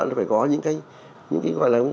nó phải có những cái gọi là